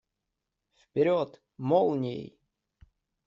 Вперед! Молнией!